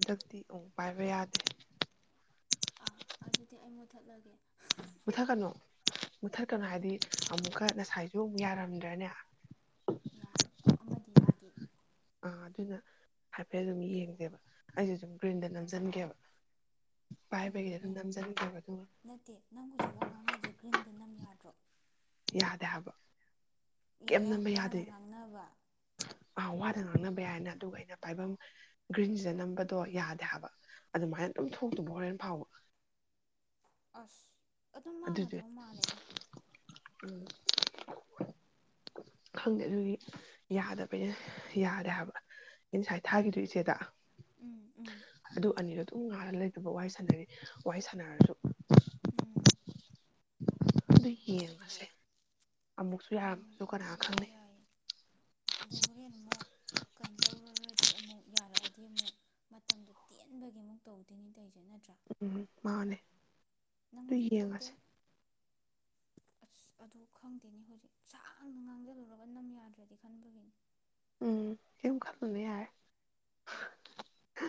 ꯍꯟꯗꯛꯇꯤ ꯎꯝ ꯄꯥꯏꯕ ꯌꯥꯗ꯭ꯔꯦ ꯑꯥ ꯑꯗꯨꯗꯤ ꯑꯩ ꯃꯨꯠꯊꯠꯂꯒꯦ ꯃꯨꯠꯊꯠꯀꯅꯨ ꯃꯨꯊꯠꯀꯅꯨ ꯀꯩꯒꯤ ꯍꯥꯏꯗꯤ ꯑꯃꯨꯛꯀ ꯉꯁꯥꯏꯁꯨ ꯑꯃꯨꯛ ꯌꯥꯔꯝꯗ꯭ꯔꯅꯦ ꯌꯥꯏ ꯑꯣ ꯑꯃꯗꯤ ꯌꯥꯒꯦ ꯑꯥ ꯑꯗꯨꯅ ꯍꯥꯏꯐꯦꯠ ꯑꯗꯨꯝ ꯌꯦꯡꯁꯦꯕ ꯑꯩꯁꯨ ꯑꯗꯨꯝ ꯒ꯭ꯔꯤꯟꯗ ꯅꯝꯁꯤꯟꯒꯦꯕ ꯎꯝ ꯄꯥꯏꯕꯒꯤꯗꯤ ꯑꯗꯨꯝ ꯅꯝꯖꯟꯒꯦꯕ ꯑꯗꯨꯒ ꯅꯠꯇꯦ ꯅꯪ ꯍꯧꯖꯤꯛ ꯋꯥ ꯉꯥꯡ ꯉꯛꯏꯁꯦ ꯒ꯭ꯔꯤꯟꯗ ꯅꯝ ꯌꯥꯗ꯭ꯔꯣ ꯌꯥꯗꯦ ꯍꯥꯏꯕ ꯀꯩꯝ ꯑꯦ ꯅꯝꯕ ꯋꯥꯅ ꯌꯥꯗꯦ ꯉꯥꯡꯅꯕ ꯑ ꯋꯥꯗ ꯉꯥꯡꯅꯕ ꯌꯥꯏꯅ ꯑꯗꯨꯒ ꯑꯩꯅ ꯄꯥꯏꯐꯝ ꯒ꯭ꯔꯤꯟꯁꯤꯗ ꯅꯝꯕꯗꯣ ꯌꯥꯗꯦ ꯍꯥꯏꯕ ꯑꯗꯨꯃꯥꯏꯅ ꯑꯗꯨꯝ ꯊꯣꯛꯇꯕ ꯍꯣꯔꯦꯟ ꯐꯥꯎꯕ ꯑꯁ ꯑꯗꯨꯝ ꯑꯁ ꯑꯗꯨꯗꯤ ꯃꯥꯡꯒꯗꯧ ꯃꯥꯜꯂꯦꯗ ꯎꯝ ꯈꯪꯗꯦ ꯑꯗꯨꯒꯤ ꯌꯥꯗꯕꯩꯅ ꯌꯥꯗꯦ ꯍꯥꯏꯕ ꯑ ꯉꯁꯥꯏ ꯊꯥꯈꯤꯕꯗꯣ ꯏꯆꯦꯗ ꯎꯝ ꯎꯝ ꯎꯝ ꯑꯗꯨ ꯑꯅꯤꯗꯨ ꯑꯗꯨꯝ ꯉꯥꯂꯒ ꯂꯩꯇꯕ ꯋꯥꯔꯤ ꯁꯥꯟꯅꯔꯤ ꯋꯥꯔꯤ ꯁꯥꯟꯅꯔꯁꯨ ꯎꯝ ꯂꯩꯌꯦ ꯂꯩꯌꯦ ꯎꯝ ꯌꯥꯔꯝꯕꯁꯨ ꯀꯅꯥ ꯑꯗꯨꯕꯨꯗꯤ ꯈꯪꯅꯤ ꯌꯥꯏꯌꯦ ꯑꯗꯨ ꯍꯣꯔꯦꯟ ꯑꯃꯨꯛ ꯀꯩꯅꯣ ꯇꯧꯔꯨꯔꯗꯤ ꯑꯃꯨꯛ ꯌꯥꯔꯛꯑꯗꯤ ꯑꯃꯨꯛ ꯃꯇꯝꯗꯣ ꯇꯦꯟꯕꯒꯤꯃꯨꯛ ꯇꯧꯗꯣꯏꯅꯤ ꯇꯧꯔꯤꯁꯦ ꯅꯠꯇ꯭ꯔꯥ ꯎꯝ ꯃꯥꯅꯦ ꯅꯪ ꯑꯗꯨ ꯍꯧꯖꯤꯛ ꯊꯣꯛꯇꯦ ꯌꯦꯡꯉꯁꯦ ꯑꯁ ꯑꯗꯨ ꯈꯪꯗꯦꯅꯦ ꯍꯧꯖꯤꯛ ꯁꯥꯡꯅ ꯉꯥꯡꯖꯜꯂꯨꯔꯒ ꯅꯝ ꯌꯥꯗ꯭ꯔꯗꯤ ꯈꯟꯕꯒꯤꯅꯤ ꯎꯝ ꯀꯩꯝ ꯈꯜꯂꯨꯅꯨ ꯌꯥꯔꯦ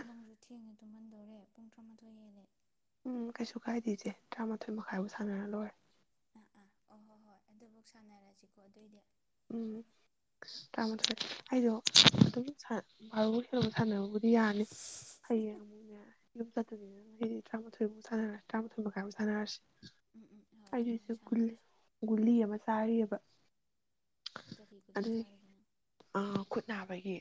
ꯅꯪꯁꯨ ꯊꯦꯡꯉꯦ ꯇꯨꯝꯃꯟꯗꯣꯔꯦ ꯄꯨꯡ ꯇꯔꯥꯃꯥꯊꯣꯏ ꯍꯦꯜꯂꯦ ꯎꯝ ꯀꯩꯁꯨ ꯀꯥꯏꯗꯦꯁꯦ ꯇꯔꯥꯃꯥꯊꯣꯏ ꯃꯈꯥꯏꯐꯥꯎ ꯁꯥꯟꯅꯔ ꯂꯣꯏꯔꯦ ꯑꯥ ꯑꯥ ꯑꯣ ꯍꯣ ꯍꯣꯏ ꯑꯗꯨꯐꯧ ꯁꯥꯟꯅꯔꯁꯤꯀꯣ ꯑꯗꯨꯑꯣꯏꯗꯤ ꯎꯝ ꯇꯔꯥ ꯃꯥꯊꯣꯏ ꯑꯩꯗꯣ ꯑꯗꯨꯝ ꯁꯥꯟꯅꯕꯨꯗꯤ ꯁꯥꯟꯅꯕ ꯌꯥꯅꯤ ꯐꯩꯌꯦ ꯑꯃꯨꯛ ꯌꯥꯔꯦ ꯌꯨꯝ ꯆꯠꯇꯕꯅꯤꯅ ꯑꯩꯗꯤ ꯇꯔꯥꯃꯥꯊꯣꯏꯃꯨꯛ ꯁꯥꯟꯅꯔꯁꯤ ꯇꯔꯥꯊꯣꯏ ꯃꯈꯥꯏ ꯃꯨꯛ ꯁꯥꯟꯅꯔꯁꯤ ꯎꯝ ꯎꯝ ꯍꯣꯏ ꯑꯗꯨꯃꯥꯏꯅ ꯑꯩꯁꯨ ꯒꯨꯂꯤ ꯁꯥꯟꯅꯔꯁꯤ ꯒꯨꯂꯤ ꯑꯃ ꯆꯥꯔꯤꯕ ꯀꯔꯤ ꯒꯨꯂꯤ ꯆꯥꯔꯤꯒꯦ ꯅꯪ ꯑ ꯈꯨꯠ ꯅꯥꯕꯒꯤ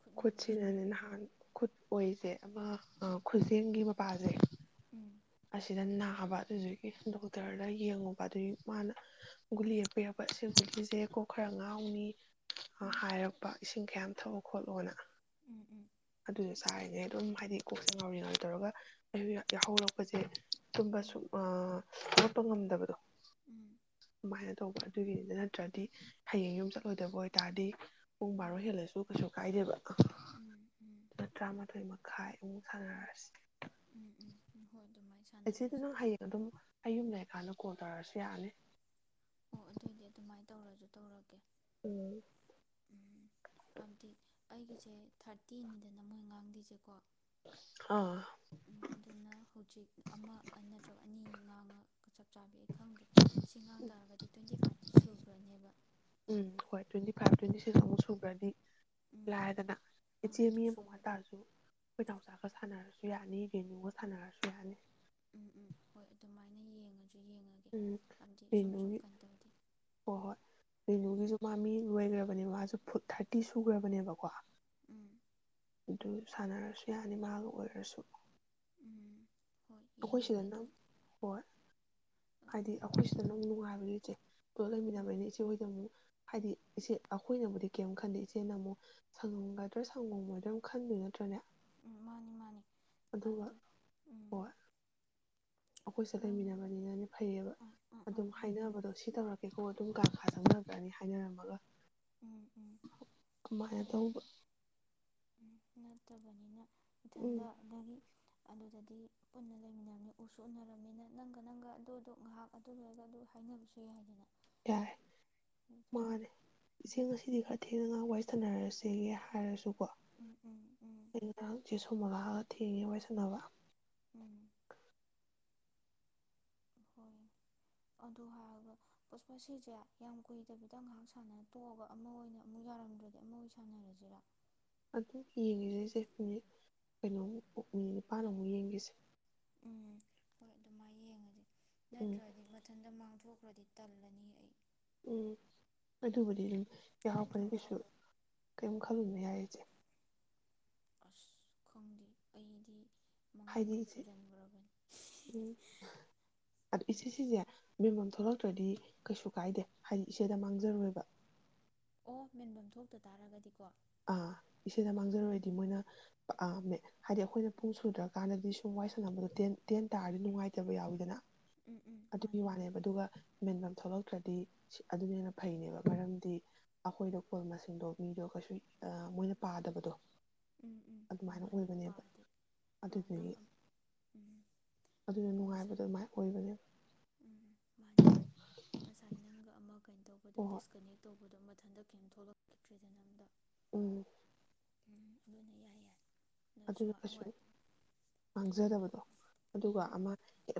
ꯈꯨꯠ ꯅꯥꯕ ꯍꯥꯏꯁꯦ ꯅꯪ ꯈꯨꯠꯁꯤꯅꯅꯦ ꯅꯍꯥꯟ ꯈꯨꯠ ꯑꯣꯏꯁꯦ ꯑꯃ ꯈꯨꯖꯦꯡꯒꯤ ꯃꯄꯥꯁꯦ ꯎꯝ ꯑꯁꯤꯗ ꯅꯥꯕ ꯑꯗꯨꯒꯤ ꯗꯣꯛꯇꯔꯗ ꯌꯦꯡꯉꯨꯕ ꯑꯗꯨꯒꯤ ꯃꯥꯅ ꯒꯨꯂꯤ ꯌꯦꯛꯄ ꯆꯥꯕ ꯁꯤ ꯒꯨꯂꯤꯁꯦ ꯀꯣꯛ ꯈꯔ ꯉꯥꯎꯅꯤ ꯎꯝ ꯍꯥꯏꯔꯛꯄ ꯏꯁꯤꯡ ꯌꯥꯝ ꯊꯛꯎ ꯈꯣꯠꯂꯣꯅ ꯎꯝ ꯎꯝ ꯑꯗꯨ ꯁꯥꯔꯤꯉꯩ ꯑꯗꯨꯝ ꯍꯥꯏꯗꯤ ꯀꯣꯛꯁꯦ ꯉꯥꯎꯔꯤ ꯉꯥꯎꯔꯤ ꯇꯧꯔꯒ ꯑꯩ ꯌꯥꯍꯧꯔꯛꯄꯁꯦ ꯎꯝ ꯇꯨꯝꯕꯁꯨ ꯑ ꯍꯧꯒꯠꯄ ꯉꯝꯗꯕꯗꯣ ꯎꯝ ꯑꯗꯨꯃꯥꯏꯅ ꯇꯧꯕ ꯑꯗꯨꯒꯤꯗ ꯅꯠꯇ꯭ꯔꯗꯤ ꯍꯌꯦꯡ ꯌꯨꯝ ꯆꯠꯂꯣꯏꯗꯕ ꯑꯣꯏꯇꯥꯔꯗꯤ ꯄꯨꯡ ꯎꯝ ꯎꯝ ꯕꯥꯔꯣ ꯍꯦꯜꯂꯁꯨ ꯀꯩꯁꯨ ꯀꯥꯏꯗꯦꯕ ꯎꯝ ꯇꯔꯥꯃꯥꯊꯣꯏ ꯃꯈꯥꯏꯃꯨꯛ ꯁꯥꯟꯅꯔꯁꯤ ꯎꯝ ꯎꯝ ꯎꯝ ꯍꯣꯏ ꯑꯗꯨꯝꯃꯥꯏꯅ ꯑꯩ ꯆꯦꯗꯣ ꯅꯪ ꯍꯌꯦꯡ ꯑꯗꯨꯝ ꯑꯩ ꯌꯨꯝ ꯂꯩꯔꯀꯥꯟꯗ ꯀꯣꯜ ꯇꯧꯔꯑꯁꯨ ꯌꯥꯅꯤ꯫ ꯑꯣ ꯑꯗꯨꯑꯣꯢꯗꯤ ꯑꯗꯨꯃꯥꯢꯅ ꯇꯧꯔꯖꯨ ꯇꯧꯔꯒꯦ꯫ ꯎꯝ ꯎꯝ ꯍꯞꯗꯤ ꯑꯩꯒꯤꯖꯦ ꯊꯥꯔꯇꯤꯅꯤꯗꯅ ꯃꯣꯢ ꯉꯥꯡꯗꯣꯢꯖꯦꯀꯣ꯫ ꯑꯥ ꯎꯝ ꯑꯗꯨꯅ ꯍꯧꯖꯤꯛ ꯑꯃ ꯑ ꯅꯠꯇ꯭ꯔꯒ ꯑꯅꯤ ꯉꯥꯉꯒ ꯆꯞ ꯆꯕꯤ ꯑꯩ ꯈꯪꯗ꯭ꯔꯦ꯫ ꯁꯤ ꯉꯥꯡ ꯇꯥꯔꯒꯗꯤ ꯇ꯭ꯋꯦꯟꯇꯤ ꯐꯥꯏꯞꯇꯤ ꯁꯨꯒ꯭ꯔꯅꯦꯕ꯫ ꯎꯝ ꯍꯣꯢ ꯇ꯭ꯋꯦꯟꯇꯤ ꯐꯥꯏꯞ ꯇ꯭ꯋꯦꯟꯇꯤ ꯁꯤꯛꯁ ꯑꯃꯨꯛ ꯁꯨꯒ꯭ꯔꯗꯤ꯫ ꯎꯝ ꯂꯥꯢꯔꯗꯅ ꯑꯥ ꯏꯆꯦ ꯑꯗꯨ ꯃꯤ ꯑꯃ ꯁꯨꯔꯒꯗꯤ ꯋꯥꯠꯇꯥꯔꯖꯨ ꯈꯣꯢ ꯅꯥꯎꯆꯥꯒ ꯁꯥꯟꯅꯔꯖꯨ ꯌꯥꯅꯤ ꯕꯦꯅꯨꯒ ꯁꯥꯟꯅꯔꯖꯨ ꯌꯥꯅꯤ꯫ ꯎꯝ ꯎꯝ ꯍꯣꯢ ꯑꯗꯨꯃꯥꯢꯅ ꯌꯦꯡꯉꯖꯨ ꯌꯦꯡꯉ ꯎꯝ ꯔꯦꯅꯨꯒꯤ ꯍꯣ-ꯍꯣꯢ ꯎꯝ ꯔꯦꯅꯨꯒꯤꯖꯨ ꯃꯥꯃꯤ ꯂꯣꯢꯒ꯭ꯔꯕꯅꯦ ꯃꯥꯖꯨ ꯐꯨꯠ ꯊꯥꯔꯇꯤ ꯁꯨꯒ꯭ꯔꯕꯅꯦꯕꯀꯣ꯫ ꯎꯝ ꯗꯨ ꯁꯥꯟꯅꯔꯁꯨ ꯌꯥꯅꯤ ꯃꯥꯒ ꯑꯣꯢꯔꯁꯨ ꯎꯝ ꯍꯣꯢ ꯑꯈꯣꯢ ꯁꯤꯗꯅ ꯍꯣꯢ ꯎꯝ ꯍꯥꯢꯗꯤ ꯎꯝ ꯑꯈꯣꯢ ꯁꯤꯗꯅ ꯅꯨꯡꯉꯥꯢꯕꯅꯤ ꯆꯦ꯫ ꯄꯨꯂꯞ ꯂꯩꯃꯤꯟꯅꯕꯅꯤ ꯏꯆꯦ ꯍꯣꯢꯗ ꯑꯃꯨꯛ ꯍꯥꯢꯗꯤ ꯏꯆꯦ ꯑꯈꯣꯢꯅꯕꯨꯗꯤ ꯀꯩꯝ ꯈꯟꯗꯦ ꯏꯆꯦꯅ ꯃꯨꯛ ꯁꯪꯉꯝꯒꯗ꯭ꯔꯥ ꯁꯪꯉꯝꯃꯣꯢꯗ꯭ꯔꯥ ꯑꯃꯨꯛ ꯈꯟꯗꯣꯢ ꯅꯠꯇ꯭ꯔꯅꯦ꯫ ꯎꯝ ꯃꯥꯅꯤ ꯃꯥꯅꯤ ꯑꯗꯨꯒ ꯑꯗꯩ ꯎꯝ ꯑꯈꯣꯏ ꯁꯦꯗ ꯅꯣꯏꯅ ꯂꯩꯃꯤꯟꯅꯕꯅꯤꯅꯅꯦ ꯐꯩꯌꯦꯕ ꯑꯥ ꯑꯥ ꯑꯥ ꯑꯗꯨꯝ ꯂꯩꯃꯤꯟ ꯍꯥꯏꯅꯕꯗꯣ ꯁꯤ ꯇꯧꯔꯛꯀꯦꯀꯣ ꯑꯗꯨꯝ ꯀꯥ-ꯀꯥꯗ ꯆꯪꯅꯒ꯭ꯔꯅꯤ ꯍꯥꯏꯅꯔꯝꯃꯒ ꯎꯝ ꯎꯝ ꯀꯃꯥꯢꯅ ꯍꯥꯏꯕꯗꯤ ꯇꯧꯕ ꯅꯠꯇꯕꯅꯤꯅ ꯎꯝ ꯏꯊꯟꯗ ꯑꯗꯒꯤ ꯑꯗꯨꯗꯗꯤ ꯄꯨꯟꯅ ꯂꯩꯃꯤꯟꯅꯔꯝꯅꯤ ꯎꯁꯨ ꯎꯅꯔꯝꯅꯤꯅ ꯅꯪꯒ ꯅꯪꯒ ꯑꯗꯨꯗꯨ ꯉꯥꯍꯥꯛ ꯑꯗꯨ ꯂꯣꯢꯔꯒ ꯑꯗꯨ ꯍꯥꯢꯅꯕꯁꯨ ꯌꯥꯢꯗꯅ꯫ ꯌꯥꯔꯦ ꯃꯥꯅꯦ ꯏꯆꯦ ꯉꯁꯤꯗꯤ ꯈꯔ ꯊꯦꯡꯅ ꯉꯍꯥꯛ ꯋꯥꯔꯤ ꯁꯥꯟꯅꯔꯁꯦꯌꯦ ꯍꯥꯢꯔꯁꯨꯀꯣ ꯎꯝ ꯎꯝ ꯎꯝ [inaudible] ꯆꯦ ꯁꯣꯃꯣꯂꯥꯍꯒ ꯊꯦꯡꯉꯦ ꯋꯥꯔꯤ ꯁꯥꯟꯅꯕ꯫ ꯎꯝ ꯍꯣꯢ ꯑꯗꯨ ꯍꯥꯢꯔꯒ ꯄꯨꯁꯄꯥ ꯁꯤꯖꯦ ꯌꯥꯝ ꯀꯨꯢꯗꯕꯤꯗ ꯉꯍꯥꯛ ꯁꯥꯟꯅ ꯇꯣꯛꯑꯒ ꯑꯃ ꯑꯣꯢꯅ ꯑꯃꯨꯛ ꯌꯥꯔꯝꯗ꯭ꯔꯗꯤ ꯑꯃ ꯑꯣꯢꯅ ꯁꯥꯟꯅꯔꯖꯤꯔ꯫ ꯑꯗꯨ ꯌꯦꯡꯒꯦꯖꯦꯁꯦ ꯃꯤꯅꯤꯠ ꯀꯩꯅꯣꯃꯨꯛ ꯎꯝ ꯎꯝ ꯅꯤꯄꯥꯥꯟ ꯑꯃꯨꯛ ꯌꯦꯡꯒꯤꯖꯦ ꯎꯝ ꯍꯣꯢ ꯑꯗꯨꯃꯥꯢ ꯌꯦꯡꯉꯖꯦ ꯎꯝ ꯅꯠꯇ꯭ꯔꯗꯤ- ꯏꯊꯟꯇ ꯃꯥꯡꯊꯣꯛꯈ꯭ꯔꯗꯤ ꯇꯥꯜꯂꯅꯤ ꯑꯩ ꯎꯝ ꯑꯗꯨꯕꯨꯗꯤ ꯑꯗꯨꯝ ꯌꯥꯎꯍꯛꯄꯅꯦ ꯅꯠꯇ꯭ꯔꯣ ꯀꯩꯁꯨ ꯀꯩꯝ ꯈꯜꯂꯨꯅ ꯌꯥꯢ ꯏꯆꯦ ꯑꯁ ꯈꯪꯗꯦ ꯑꯩꯗꯤ ꯃꯉꯥ ꯍꯥꯏꯗꯤ ꯇ꯭ꯔꯨꯛ ꯏꯆꯦ ꯁꯨꯖꯟꯒ꯭ꯔꯕꯅꯤ [inaudible] ꯑꯗꯨ ꯏꯆꯦꯁꯤꯖꯦ ꯃꯦꯝꯕꯝ ꯊꯣꯛꯂꯛꯇ꯭ꯔꯗꯤ ꯀꯩꯁꯨ ꯀꯥꯢꯗꯦ ꯍꯥꯢꯗꯤ ꯏꯆꯦꯗ ꯃꯥꯡꯖꯔꯣꯢꯕ꯫ ꯑꯣ ꯃꯦꯟꯕꯝ ꯊꯣꯛꯇ ꯇꯥꯔꯒꯗꯤꯀꯣ ꯑꯥ ꯏꯆꯦꯗ ꯎꯝ ꯃꯥꯡꯖꯔꯣꯢꯗꯤ ꯃꯣꯢꯅ ꯑꯥ ꯃꯦ ꯍꯥꯢꯗꯤ ꯑꯈꯣꯢꯅ ꯄꯨꯡ ꯁꯨꯗ꯭ꯔꯀꯥꯟꯗꯗꯤ ꯁꯨꯝ ꯋꯥꯢ ꯁꯥꯟꯅꯕꯗꯣ ꯇꯦꯟ ꯇꯦꯟ ꯇꯥꯔꯗꯤ ꯅꯨꯡꯉꯥꯢꯇꯕ ꯌꯥꯎꯋꯤꯗꯅ ꯎꯝ ꯎꯝ ꯑꯗꯨꯒꯤ ꯃꯥꯅꯦ ꯋꯥꯅꯦꯕ ꯑꯗꯨꯒ ꯃꯦꯟꯕꯝ ꯊꯣꯛꯂꯛꯇ꯭ꯔꯗꯤ ꯁꯤ ꯑꯗꯨꯅ ꯍꯦꯟꯅ ꯐꯩꯅꯦꯕ ꯃꯔꯝꯗꯤ ꯑꯈꯣꯢꯗ ꯀꯣꯜ ꯃꯁꯤꯡꯗꯣ ꯃꯤꯗꯣ ꯀꯩꯁꯨ ꯑ ꯃꯣꯢꯅ ꯄꯥꯗꯕꯗꯣ ꯎꯝ ꯎꯝ ꯑꯗꯨꯃꯥꯢꯅ ꯃꯥꯅꯤ ꯑꯣꯢꯕꯅꯦꯕ ꯄꯥꯗꯦ ꯑꯥ ꯅꯪ ꯑꯗꯨꯗꯨꯒꯤ ꯎꯝ ꯑꯗꯨꯅ ꯉꯁꯥꯏ ꯅꯨꯡꯉꯥꯢꯕꯗꯣ ꯃꯥꯢꯅ ꯑꯣꯢꯕꯅꯦꯕ ꯎꯝ ꯎꯝ ꯃꯥꯅꯤ ꯃꯥꯅꯤ ꯉꯁꯥꯢ ꯅꯪꯒ ꯑꯃ ꯀꯩꯅꯣ ꯇꯧꯕꯗꯣ ꯍꯣꯏ ꯗꯤꯁꯀꯅꯦꯛ ꯇꯧꯕꯗꯣ ꯃꯊꯟꯇ ꯀꯩꯝ ꯊꯣꯛꯂꯛꯈꯤꯗ꯭ꯔꯦꯗꯅ ꯑꯝꯗ ꯎꯝ ꯎꯝ ꯑꯗꯨꯅꯦ ꯌꯥꯢ ꯌꯥꯢ ꯑꯗꯨꯅ ꯀꯩꯁꯨ ꯎꯝ ꯃꯥꯡꯖꯗꯕꯗꯣ ꯑꯗꯨꯒ ꯎꯝ ꯑꯃ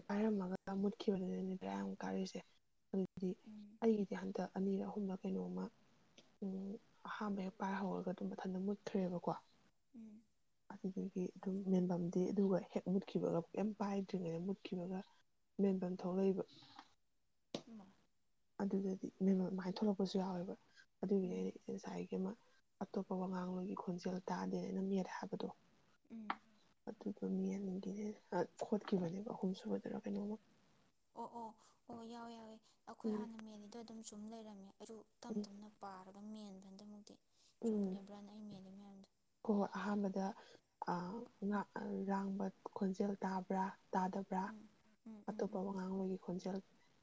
ꯄꯥꯏꯔꯝꯃꯒ ꯃꯨꯠꯈꯤꯕꯅꯤꯅꯅꯤꯗ꯭ꯔ ꯌꯥꯝꯨꯛ ꯀꯥꯔꯨꯏꯁꯦ ꯑꯗꯨꯗꯤ ꯎꯝ ꯑꯩꯒꯤꯗꯤ ꯍꯟꯗꯛ ꯑꯅꯤꯔꯛ ꯑꯍꯨꯝꯗ ꯀꯩꯅꯣꯝꯃ ꯑꯍꯥꯝꯕ ꯍꯦꯛ ꯄꯥꯏꯍꯧꯔꯒ ꯑꯗꯨꯝ ꯃꯊꯟꯇ ꯃꯨꯠꯈ꯭ꯔꯦꯕꯀꯣ ꯎꯝ ꯑꯗꯨꯗꯒꯤ ꯑꯗꯨꯝ ꯃꯦꯟꯐꯝꯗꯤ ꯑꯗꯨꯒ ꯍꯦꯛ ꯃꯨꯠꯈꯤꯕꯒ ꯀ ꯄꯥꯏꯗ꯭ꯔꯤꯉꯩꯗ ꯃꯨꯠꯈꯤꯕꯒ ꯃꯦꯟꯕꯟ ꯊꯣꯡ ꯂꯩꯕ [unintelligible] ꯑꯗꯨꯗꯗꯤ ꯃꯃ ꯑꯗꯨꯃꯥꯏꯅ ꯊꯣꯛꯂꯛꯄꯁꯨ ꯌꯥꯎꯋꯦꯕ ꯑꯗꯨꯒꯤꯅꯤ ꯎꯝ ꯑꯩꯅ ꯏꯆꯦ ꯉꯁꯥꯏꯒꯤ ꯑꯃ ꯑꯇꯣꯞꯄ ꯋꯥꯉꯥꯡꯂꯣꯏꯒꯤ ꯈꯣꯟꯖꯦꯜ ꯇꯥꯗꯦꯅꯅꯝ ꯃꯦꯜꯂꯦ ꯍꯥꯏꯕꯗꯣ ꯎꯝ ꯑꯗꯨ ꯃꯤ ꯑꯗꯨꯒꯤꯅꯦ ꯈꯣꯠꯈꯤꯕꯅꯦꯕ ꯑꯍꯨꯝꯁꯨꯨꯕꯗꯔ ꯀꯩꯅꯣꯝꯃ ꯑꯣ ꯑꯣ ꯑꯣ ꯌꯥꯎꯋꯦ ꯌꯥꯎꯋꯦ ꯑꯩꯈꯣꯏ ꯎꯝ ꯍꯥꯟꯅ ꯃꯦꯜꯂꯤꯗꯣ ꯑꯗꯨꯝ ꯁꯨꯝ ꯂꯩꯔꯝꯃꯦ ꯑꯩꯁꯨ ꯏꯝ ꯎꯝ ꯇꯞꯅ ꯄꯥꯔꯒ ꯃꯦꯟꯕꯟꯗꯃꯨꯛꯇꯤ ꯆꯨꯝꯈꯤꯕ꯭ꯔꯥꯅ ꯑꯩ ꯃꯦ ꯂꯩ ꯃꯌꯥꯝꯗ ꯀꯣ ꯑꯍꯥꯟꯕꯗ ꯉ ꯉꯥꯡꯕ ꯈꯣꯟꯖꯦꯜ ꯇꯥꯕ꯭ꯔꯥ ꯇꯥꯗꯕ꯭ꯔꯥ ꯎꯝ ꯎꯝ ꯎꯝ ꯑꯇꯣꯞꯄ ꯎꯝ ꯋꯥꯉꯥꯡꯂꯣꯏꯒꯤ ꯈꯣꯟꯖꯦꯜ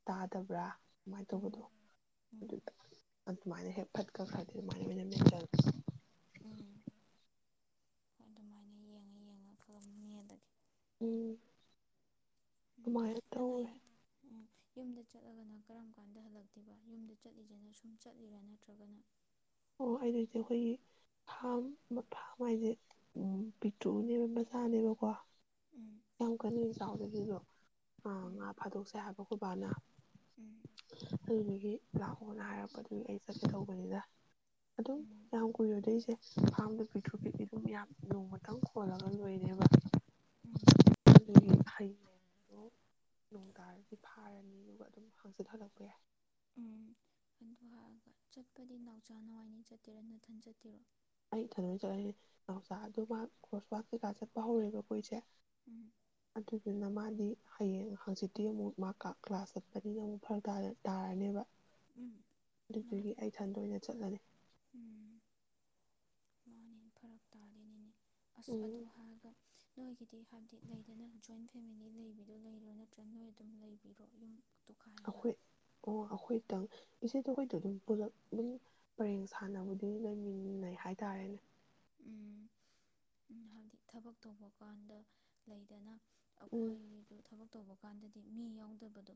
ꯇꯥꯗꯕ꯭ꯔꯥ ꯑꯗꯨꯃꯥꯏꯅ ꯇꯧꯕꯗꯣ ꯎꯝ ꯎꯝ ꯑꯗꯨꯗ ꯑꯗꯨꯃꯥꯏꯅ ꯍꯦꯛ ꯐꯠꯀ ꯈꯔꯗꯤ ꯑꯗꯨꯃꯥꯏꯅ ꯑꯣꯏꯅ ꯃꯦꯟꯜ ꯎꯝ ꯑꯗꯨꯃꯥꯏꯅ ꯌꯦꯡꯉ ꯌꯦꯡꯉ ꯈꯪꯂꯝꯅꯤ ꯑꯗꯒꯤ ꯎꯝ ꯎꯝ ꯑꯗꯨꯃꯥꯏꯅ ꯅꯪ ꯇꯧꯔꯦ ꯍꯥꯏꯌꯦ ꯎꯝ ꯌꯨꯝꯗ ꯆꯠꯂꯒꯅ ꯀꯔꯝ ꯀꯥꯟꯗ ꯍꯜꯂꯛꯇꯦꯕ ꯌꯨꯝꯗ ꯆꯠꯂꯤꯁꯤꯦꯅ ꯁꯨꯝ ꯆꯠꯂꯤꯔꯥ ꯅꯠꯇ꯭ꯔꯒꯅ [unintelligible] ꯑꯩꯈꯣꯏꯒꯤ ꯐꯥꯝ ꯐꯥꯝ ꯍꯥꯏꯁꯦ ꯕꯤꯇꯨꯅꯦꯕ ꯕꯖꯥꯔꯅꯦꯕꯀꯣ ꯎꯝ ꯌꯥꯝ ꯀꯜꯂꯤ ꯆꯥꯎꯗꯣ ꯎꯝ ꯐꯥꯗꯣꯛꯁꯦ ꯍꯥꯏꯕ ꯑꯈꯣꯏ ꯕꯅ ꯎꯝ ꯑꯗꯨꯗꯒꯤ ꯂꯥꯛꯑꯣꯣꯅ ꯍꯥꯏꯔꯛꯄ ꯑꯗꯨꯝ ꯑꯩ ꯆꯠꯀꯦ ꯇꯧꯕꯅꯤꯗ ꯑꯗꯨꯝ ꯌꯥꯝ ꯀꯨꯏꯔꯨꯗꯣꯏꯁꯦ ꯐꯥꯔꯝꯗ ꯄꯤꯊ꯭ꯔꯨ ꯄꯤꯏ ꯑꯗꯨꯨꯝ ꯌꯥꯝ ꯅꯣꯡꯃꯇꯪ ꯈꯣꯜꯂꯒ ꯂꯣꯏꯔꯦꯕ ꯎꯝ ꯑꯗꯨꯒꯤ ꯍꯩꯅꯦ ꯑꯗ ꯅꯣꯡ ꯇꯥꯔꯗꯤ ꯐꯥꯔꯅꯤ ꯑꯗꯨꯒ ꯑꯗꯨꯝ ꯍꯥꯡꯆꯟꯍꯜꯂꯛꯄ ꯌꯥꯏ ꯎꯝ ꯑꯗꯨ ꯍꯥꯏꯔꯒ ꯆꯠꯄꯗꯤ ꯅꯥꯎꯆꯥꯥ ꯅꯕꯥꯅꯤ ꯆꯠꯇꯦꯔꯥ ꯅꯊꯟ ꯆꯠꯇꯦꯔꯣ ꯑꯩ ꯢꯊꯥꯟ ꯆꯠꯂꯅꯦ ꯃꯍꯧꯁꯥ ꯑꯗꯨ ꯃꯥ ꯀ꯭ꯔꯣꯁꯋꯥꯛ ꯀꯩꯀꯥ ꯆꯠꯄ ꯍꯧꯔꯦꯕ ꯑꯩꯈꯣꯏꯁꯦ ꯎꯝ ꯑꯗꯨꯗꯨꯅ ꯃꯥꯗꯤ ꯍꯌꯦꯡ ꯍꯪꯆꯤꯛꯇꯤ ꯑꯃꯨꯛ ꯃꯥ ꯀ꯭ꯂꯥꯁ ꯆꯠꯄꯅꯤꯅ ꯑꯃꯨꯛ ꯐꯔꯛ ꯇꯥꯔꯅꯦꯕ ꯎꯝ ꯑꯗꯨꯒꯤ ꯃꯥꯅꯤ ꯑꯩ ꯢꯊꯟ ꯑꯣꯏꯅ ꯆꯠꯂꯅꯤ ꯎꯝ ꯃꯥꯅꯦ ꯐꯔꯛ ꯇꯥꯗꯣꯢꯅꯤꯅꯦ ꯑꯁ ꯑꯗꯨ ꯎꯝ ꯍꯥꯏꯔꯒ ꯅꯣꯏꯒꯤꯗꯤ ꯍꯥꯏꯕꯗꯤ ꯂꯩꯗꯅ ꯖꯣꯏꯟ ꯇꯧ ꯐꯦꯃꯤꯂꯤ ꯂꯩꯕꯤꯗꯣ ꯂꯩꯔꯣ ꯅꯠꯇ꯭ꯔꯒ ꯅꯣꯏ ꯑꯗꯨꯝ ꯂꯩꯕꯤꯔꯣ ꯌꯨꯝ ꯇꯣꯈꯥꯏꯔꯒ ꯑꯩꯈꯣꯏ ꯑꯣ ꯑꯩꯈꯣꯏꯇꯪ ꯏꯆꯦꯗꯣ ꯑꯩꯈꯣꯏꯗꯣ ꯑꯗꯨꯝ ꯄꯨꯂ ꯑꯗꯨꯝ ꯄꯔꯦꯡ ꯁꯥꯟꯅꯕꯨꯗꯤ ꯂꯩꯃꯤꯟꯅꯩ ꯍꯥꯏꯇꯥꯔꯦꯅꯦ ꯎꯝ ꯎ ꯍꯥꯏꯕꯗꯤ ꯊꯕꯛ ꯇꯧꯕ ꯀꯥꯟꯗ ꯂꯩꯗꯅ ꯎꯝ ꯑꯩꯈꯣꯏꯒꯤꯁꯨ ꯊꯕꯛ ꯇꯧꯕ ꯀꯥꯟꯗꯗꯤ ꯃꯤ ꯌꯥꯎꯗꯕꯗꯣ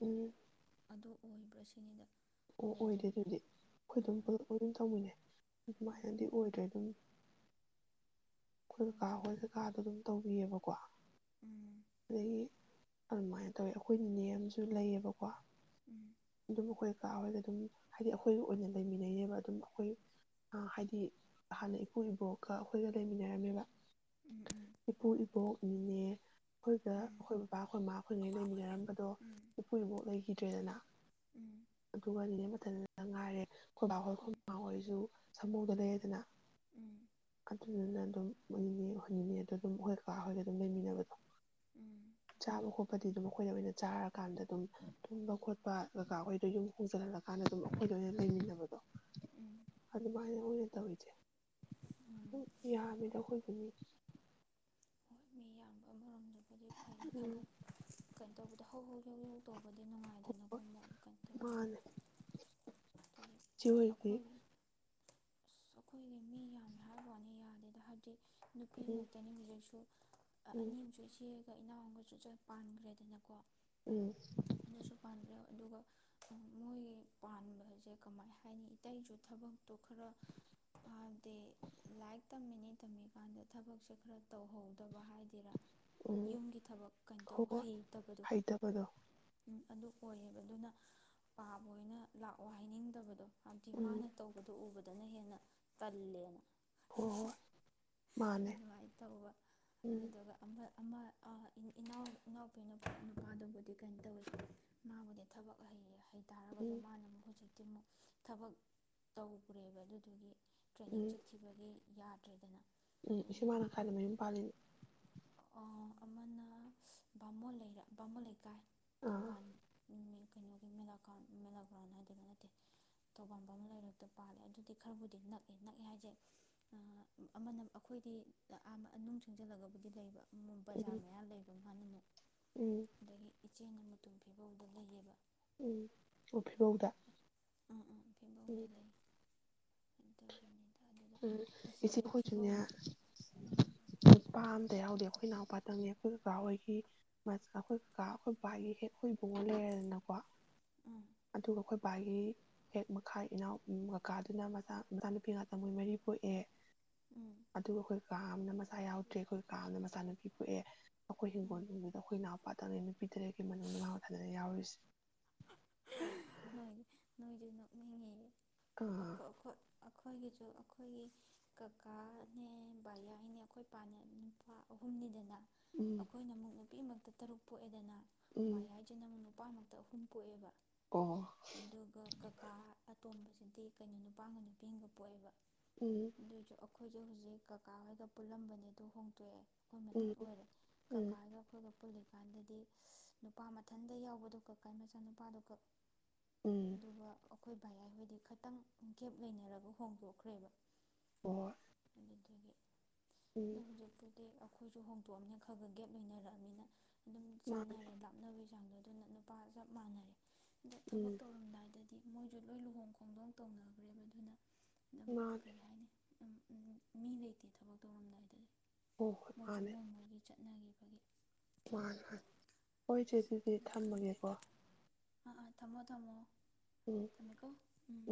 ꯎꯝ ꯑꯗꯨ ꯑꯣꯏꯕ꯭ꯔꯥ ꯁꯤꯅꯤꯗ ꯑꯣ ꯑꯣꯏꯗꯦ ꯂꯩꯗꯅ ꯑꯗꯨꯗꯤ ꯑꯩꯈꯣꯏꯗꯨꯝ ꯄꯨꯂꯞ ꯄꯨꯜꯂ ꯑꯗꯨꯝ ꯇꯧꯃꯤꯟꯅꯩ ꯑꯗꯨꯃꯥꯏꯅꯗꯤ ꯑꯣꯏꯗ꯭ꯔꯦ ꯑꯗꯨꯝ ꯑꯩꯈꯣꯏ ꯀꯀꯥ ꯑꯩꯈꯣꯏ ꯀꯀꯥꯗꯣ ꯑꯗꯨꯝ ꯇꯧꯕꯤꯌꯦꯕꯀꯣ ꯑꯗꯒꯤ ꯑꯗꯨꯃꯥꯏꯅ ꯇꯧꯋꯤ ꯑꯩꯈꯣꯏ ꯅꯦ ꯑꯃꯁꯨ ꯂꯩꯌꯦꯕꯀꯣ ꯎꯝ ꯑꯗꯨꯝ ꯑꯩꯈꯣꯏ ꯀꯥ ꯍꯣꯏꯒ ꯑꯗꯨꯝ ꯍꯥꯏꯗꯤ ꯑꯩꯈꯣꯏꯒ ꯑꯣꯏꯅ ꯂꯩꯃꯤꯟꯅꯩꯌꯦꯕ ꯑꯗꯨꯝ ꯑꯩꯈꯣꯏ ꯑꯥ ꯍꯥꯢꯗꯤ ꯍꯥꯟꯅ ꯢꯄꯨ ꯢꯕꯣꯛꯀꯥ ꯑꯈꯣꯢꯒ ꯂꯩꯃꯤꯟꯅꯔꯝꯃꯦꯕ ꯫ ꯏꯄꯨ ꯏꯕꯣꯛ ꯢꯅꯦ ꯑꯈꯣꯏꯗ ꯈꯣꯏ ꯕꯕꯥ ꯈꯣꯏ ꯃꯥ ꯈꯣꯢꯒꯩ ꯂꯩꯃꯤꯟꯅꯔꯝꯕꯗꯣ ꯏꯄꯨ ꯏꯕꯣꯛ ꯂꯩꯈꯤꯗ꯭ꯔꯦꯗꯅ ꯑꯗꯨꯒ ꯅꯤꯅꯦ ꯃꯊꯟꯗ ꯉꯥꯏꯔꯦ ꯈꯣꯏꯕꯥꯍꯣꯢ ꯈꯣꯏꯃꯥꯍꯣꯢꯁꯨ ꯁꯃꯨꯗ ꯂꯩꯔꯦꯗꯅ ꯑꯗꯨꯗꯨꯅ ꯑꯗꯨꯝ ꯃꯣꯢ ꯅꯤꯅꯦ ꯈꯣꯢꯏ ꯅꯤꯅꯦ ꯑꯗ ꯑꯗꯨꯝ ꯑꯈꯣꯏ ꯀꯥ ꯍꯣꯏꯒ ꯑꯗꯨꯝ ꯂꯩꯃꯤꯟꯅꯕꯗꯣ ꯆꯥꯕ ꯈꯣꯠꯄꯗꯤ ꯑꯗꯨꯝ ꯑꯈꯣꯢꯗ ꯑꯣꯏꯅ ꯆꯥꯔꯀꯥꯟꯗ ꯑꯗꯨꯝ ꯇꯨꯝꯕ ꯈꯣꯠꯄ ꯀꯀ ꯑꯈꯣꯏ ꯑꯗꯨ ꯌꯨꯝ ꯍꯣꯡꯖꯜꯍꯜꯂꯀꯥꯟꯗ ꯑꯗꯨꯝ ꯑꯩꯈꯣꯏꯗ ꯑꯣꯏꯅ ꯂꯩꯃꯤꯟꯅꯕꯗꯣ ꯎꯝ ꯑꯗꯨꯃꯥꯏꯅ ꯑꯣꯏꯅ ꯇꯧꯔꯤꯖꯦ ꯎꯝ ꯌꯥꯃꯤꯗ ꯑꯈꯣꯢ ꯢꯃꯨꯡ ꯃꯤ ꯍꯣꯏ ꯃꯤꯌꯥꯝꯕ ꯑꯃꯔꯣꯝꯗꯕꯨꯗꯤ ꯐꯩꯌꯦ ꯎꯝ ꯊꯕꯛ ꯀꯩꯅꯣ ꯇꯧꯕꯗꯣ ꯍꯧ ꯍꯧ ꯌꯧ ꯌꯧ ꯇꯧꯕꯗꯤ ꯅꯨꯡꯉꯥꯏꯗꯅꯀꯣ ꯃꯣꯢ ꯀꯩꯅꯣ ꯇꯧꯔꯗꯤ ꯃꯥꯅꯦ ꯑꯗꯨꯗꯤ ꯏꯆꯦ ꯍꯣꯏꯒꯤ ꯑꯈꯣꯏꯒꯤ ꯑꯁ ꯑꯩꯈꯣꯏꯒꯤꯗꯤ ꯃꯤ ꯌꯥꯝꯃꯦ ꯍꯥꯏ ꯋꯥꯅꯤ ꯌꯥꯗꯦꯗ ꯍꯥꯏꯕꯗꯤ ꯎꯝ ꯅꯨꯄꯤꯉꯥꯛꯇꯅꯤ ꯍꯧꯖꯤꯛꯁꯨ ꯑꯣꯛ ꯑ ꯎꯝ ꯑꯅꯤ ꯑꯃꯁꯨ ꯏꯆꯦꯒ ꯏꯅꯥꯎ ꯑꯃꯒꯁꯨ ꯆꯆ ꯄꯥꯟꯈ꯭ꯔꯦꯗꯅꯀꯣ ꯎꯝ ꯑꯗꯨꯁꯨ ꯄꯥꯟꯈ꯭ꯔꯦ ꯑꯗꯨꯒ ꯎꯝ ꯃꯣꯏꯒꯤ ꯄꯥꯟꯕꯁꯦ ꯀꯃꯥꯏ ꯍꯥꯏꯅꯤ ꯏꯇꯩꯁꯨ ꯊꯕꯛꯇꯣ ꯈꯔ ꯍꯥꯏꯕꯗꯤ ꯂꯥꯏꯔꯤꯛ ꯇꯝꯃꯤꯅꯤ ꯇꯝꯃꯤꯀꯥꯟꯗ ꯊꯕꯛꯁꯦ ꯈꯔ ꯇꯧꯍꯧꯗꯕ ꯍꯥꯏꯗꯨꯢꯔꯥ ꯎꯝ ꯌꯨꯝꯒꯤ ꯊꯕꯛ ꯍꯣꯏ ꯀꯩꯅꯇꯧ ꯍꯣꯏ ꯍꯩꯇꯕꯗꯣ ꯍꯩꯇꯕꯗꯣ ꯎꯝ ꯑꯗꯨ ꯑꯣꯏꯌꯦꯕ ꯑꯗꯨꯅ ꯄꯥꯕ ꯑꯣꯏꯅ ꯂꯥꯛꯑꯣ ꯍꯥꯏꯅꯤꯡꯗꯕꯗꯣ ꯍꯥꯏꯕꯗꯤ ꯎꯝ ꯃꯥꯅ ꯇꯧꯕꯗꯣ ꯎꯕꯗꯅ ꯍꯦꯟꯅ ꯇꯜꯂꯦꯅ ꯍꯣꯏ ꯍꯣꯏ ꯃꯥꯅꯦ ꯑꯗꯨꯃꯥꯏꯅ ꯇꯧꯕ ꯎꯝ ꯑꯗꯨꯗꯨꯒ ꯑꯃ ꯑꯃ ꯑ ꯢꯟ ꯢꯟ ꯏꯅꯥꯎ ꯏꯅꯥꯎꯄꯤꯅ ꯅꯨꯄꯥꯗꯨꯕꯨꯗꯤ ꯀꯩꯅꯣ ꯇꯧꯋꯦ ꯃꯥꯕꯨꯗꯤ ꯊꯕꯛ ꯍꯩꯌꯦ ꯍꯩ ꯇꯥꯔꯒꯁꯨ ꯎꯝ ꯃꯥꯅ ꯑꯃꯨꯛ ꯍꯧꯖꯤꯛꯇꯤ ꯑꯃꯨꯛ ꯊꯕꯛ ꯇꯧꯈ꯭ꯔꯦꯕ ꯑꯗꯨꯗꯨꯒꯤ ꯇ꯭ꯔꯦꯅꯤꯡ ꯎꯝ ꯆꯠꯈꯤꯕꯒꯤ ꯌꯥꯗ꯭ꯔꯦꯗꯅ ꯎꯝ ꯏꯁꯨꯃꯅ ꯀꯥꯢꯗ ꯃꯌꯨꯝ ꯄꯥꯜꯂꯤꯅꯦ ꯑꯑ ꯑꯃꯅ ꯕꯥꯃꯣꯟ ꯂꯩꯔꯛ ꯕꯥꯃꯣꯟ ꯂꯩꯀꯥꯏ ꯑꯥ ꯊꯧꯕꯥꯜ ꯃꯤꯡꯃꯦ ꯀꯩꯅꯣꯒꯤ ꯃꯦꯂꯥꯒꯥꯎꯟ ꯃꯦꯂꯥꯒ꯭ꯔꯥꯎꯟ ꯍꯥꯏꯗꯨꯔ ꯅꯠꯇꯦ ꯇꯧꯕꯥꯥꯜ ꯕꯃꯣꯟ ꯂꯩꯔꯛꯇ ꯄꯥꯜꯂꯦ ꯑꯗꯨꯗꯤ ꯈꯔꯕꯨꯗꯤ ꯅꯛꯑꯦ ꯅꯛꯑꯦ ꯍꯥꯏꯁꯦ ꯑ ꯑꯃꯅ ꯑꯩꯈꯣꯏꯗꯤ ꯎꯝ ꯑ ꯑ ꯃꯅꯨꯡ ꯆꯪꯁꯤꯜꯂꯒ ꯑꯗꯨꯗꯩ ꯂꯩꯕ ꯑꯃ ꯕꯖꯥꯔ ꯎꯝ ꯃꯌꯥ ꯂꯩꯕ ꯃꯥꯅ ꯑꯃꯨꯛ ꯎꯝ ꯑꯗꯒꯤ ꯏꯆꯦ [unintelligible] ꯃꯨꯇꯨꯝ ꯐꯤꯕꯧꯗ ꯂꯩꯌꯦꯕ ꯎꯝ ꯑꯣ ꯐꯤꯕꯧꯗ ꯑ ꯑ ꯐꯤꯕꯧ ꯎꯝ ꯑꯗꯨꯒꯤꯅꯦ ꯇꯥꯗꯦꯗ ꯎꯝ ꯏꯆꯦ ꯏꯆꯦꯁꯦ ꯑꯩꯈꯣꯏꯁꯨꯅꯦ ꯐꯤꯕꯧꯒꯤꯁꯦ ꯎꯝ ꯅꯨꯄꯥ ꯑꯝꯇ ꯌꯥꯎꯗꯦ ꯑꯩꯈꯣꯏ ꯏꯅꯥꯎꯄꯥꯇꯪꯅꯤ ꯑꯩꯈꯣꯏ ꯀꯀꯥ ꯍꯣꯏꯒꯤ ꯃꯆꯥ ꯑ ꯑꯩꯈꯣꯏ ꯀꯀꯥ ꯑꯩꯈꯣꯏ ꯕꯥꯒꯤ ꯍꯦꯛ ꯈꯣꯏ ꯏꯕꯨꯡꯉꯣ ꯂꯩꯔꯗꯅꯀꯣ ꯎꯝ ꯑꯗꯨꯒ ꯑꯩꯈꯣꯏ ꯑꯩꯈꯣꯕꯥꯒꯤ ꯍꯦꯛ ꯃꯈꯥꯢ ꯢꯅꯥꯎ ꯎꯝ ꯀꯀꯥꯗꯨꯅ ꯃꯆꯥ ꯃꯆꯥꯅꯨꯄꯤ ꯉꯥꯠ ꯃꯣꯢ ꯃꯔꯤ ꯄꯣꯛꯑꯦ ꯎꯝ ꯑꯗꯨꯒ ꯑꯩꯈꯣꯏ ꯀꯥ ꯑꯃꯅ ꯃꯆꯥ ꯌꯥꯎꯗ꯭ꯔꯦ ꯑꯩꯈꯣꯏ ꯀꯥ ꯑꯃꯅ ꯃꯆꯥꯅꯨꯄꯤ ꯄꯣꯛꯑꯦ ꯑꯩꯈꯣꯏ ꯎꯝ ꯍꯤꯡꯒꯣꯜꯅꯨꯡꯗꯨꯗ ꯑꯩꯈꯣꯏ ꯏꯅꯎꯄꯥꯇꯪꯅꯦ ꯅꯨꯄꯤ ꯇꯔꯦꯠꯀꯤ ꯃꯅꯨꯡꯗ ꯃꯥꯥ ꯃꯊꯟꯗꯅꯦ ꯌꯥꯎꯔꯤꯁꯦ ꯅꯣꯏ ꯅꯣꯢꯁꯨ ꯅꯣꯛꯅꯤꯡꯉꯦ ꯑꯥ ꯑꯈꯣꯢ ꯑꯈꯣꯢ ꯑꯩꯈꯣꯏꯒꯤꯁꯨ ꯑꯩꯈꯣꯏꯒꯤ ꯀꯀꯥꯅꯦ ꯕꯌꯥꯢꯅꯦ ꯑꯩꯈꯣꯏ ꯄꯥꯅꯦ ꯎꯝ ꯅꯨꯄꯥ ꯑꯍꯨꯝꯅꯤꯗꯅ ꯎꯝ ꯑꯩꯈꯣꯏꯅ ꯑꯃꯨꯛ ꯅꯨꯄꯤꯉꯥꯛꯇ ꯇꯔꯨꯛ ꯄꯣꯛꯑꯦꯗꯅ ꯎꯝ ꯕꯌꯥꯏ ꯏꯆꯤꯟ ꯅꯪꯕꯨ ꯅꯨꯄꯥ ꯉꯥꯛꯇ ꯑꯍꯨꯝ ꯄꯣꯛꯑꯦꯕ ꯑꫭ ꯑꯗꯨꯒ ꯀꯀꯥ ꯑꯇꯣꯝꯕꯁꯤꯗꯤ ꯀꯩꯅꯣ ꯅꯨꯄꯥꯒ ꯅꯨꯄꯤꯒ ꯄꯣꯛꯑꯦꯕ ꯎꯝ ꯑꯗꯨꯏꯁꯨ ꯑꯩꯈꯣꯏꯁꯦ ꯍꯧꯖꯤꯛ ꯀꯀꯥ ꯍꯣꯏꯒ ꯄꯨꯜꯂꯝꯕꯅꯦ ꯑꯗꫭ ꯍꯣꯡꯇꯣꯛꯑꯦ ꯑꯩꯈꯣꯏ ꯃꯊꯟ ꯎꯝ ꯑꯣꯏꯔꯦ ꯎꯝ ꯀꯀꯥꯒ ꯑꯩꯈꯣꯏꯒ ꯄꯨꯜꯂꯤ ꯀꯥꯟꯗꯗꯤ ꯅꯨꯄꯥ ꯃꯊꯟꯗ ꯌꯥꯎꯕꯗꯣ ꯀꯀꯥ ꯃꯆꯥ ꯅꯨꯄꯥꯗꫭ ꯈꯛ ꯎꯝ ꯑꯗꯨꯒ ꯑꯩꯈꯣꯏ ꯕꯥꯏꯌꯥꯏ ꯍꯣꯏꯗꯤ ꯈꯤꯇꯪ ꯒꯦꯞ ꯂꯩꯅꯔꯒ ꯍꯣꯡꯗꯣꯛꯈ꯭ꯔꯦꯕ ꯑꯣ ꯑꯗꯨꯏꯗꯨꯒꯤ ꯑꯗꫭ ꯍꯧꯖꯤꯛꯄꯨꯗꯤ ꯑꯗꯩ ꯑꯩꯈꯣꯏꯁꯨ ꯍꯣꯡꯗꯣꯛꯑꯃꯤꯅ ꯈꯔ ꯈꯔ ꯒꯦꯞ ꯂꯩꯅꯔꯛꯑꯅꯤꯅ ꯑꯗꯨꯝ ꯃꯥꯅꯦ ꯆꯥꯅꯔꯦ ꯂꯥꯛ ꯅꯥꯞꯅꯕꯒꯤ ꯆꯥꯡꯗꯣ ꯑꯗꯨꯅ ꯅꯨꯄꯥ ꯆꯞ ꯃꯥꯟꯅꯔꯦ ꯑꯗꫭ ꯎꯝ ꯊꯕꯛ ꯇꯧꯔꯝꯗꯥꯏꯗꯗꯤ ꯃꯣꯏꯁꯨ ꯂꯣꯏ ꯂꯨꯍꯣꯡ ꯈꯣꯡꯗꯣꯡ ꯇꯧꯅꯈ꯭ꯔꯦꯕ ꯑꯗꯨꯅ ꯑꯗꯨꯝ ꯃꯥ ꯀꯩ ꯍꯥꯏꯅꯤ ꯃꯤ ꯂꯩꯇꯦ ꯊꯕꯛ ꯇꯧꯔꯝꯗꯥꯏꯗꯗꯤ ꯍꯣꯏ ꯍꯣꯏ ꯃꯣꯏꯁꯨ ꯃꯥꯅꯦ ꯃꯣꯏ ꯃꯣꯏꯒꯤ ꯆꯠꯅꯈꯤꯕꯒꯤ ꯃꯥꯅꯤ ꯃꯥ ꯍꯣꯏ ꯆꯦꯊꫭꯏꯕꯤ ꯑꯗꯨꯅ ꯈꯪꯗꯦ ꯊꯝꯃꯒꯦꯀꯣ ꯑꯥ ꯑꯥ ꯊꯝꯃꯣ ꯊꯝꯃꯣ ꯎꯝ ꯊꯝꯃꯦꯀꯣ ꯎꯝ